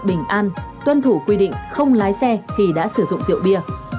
bình an tuân thủ quy định không lái xe khi đã sử dụng rượu bia